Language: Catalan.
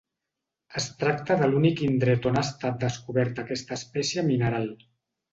Es tracta de l'únic indret on ha estat descoberta aquesta espècie mineral.